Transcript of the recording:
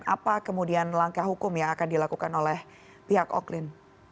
apa kemudian langkah hukum yang akan dilakukan oleh pihak oklin